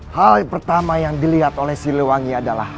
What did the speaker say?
hal pertama yang dilihat oleh si lewangi adalah